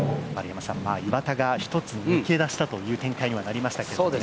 岩田が一つ、抜け出したという展開になりました。